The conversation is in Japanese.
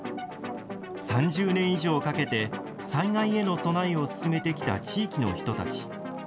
３０年以上かけて災害への備えを進めてきた地域の人たち。